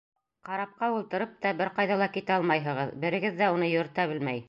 Карапҡа ултырып та бер ҡайҙа ла китә алмайһығыҙ, берегеҙ ҙә уны йөрөтә белмәй.